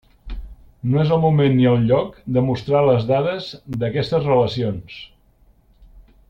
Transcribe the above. No és el moment, ni el lloc, de mostrar les dades d'aquestes relacions.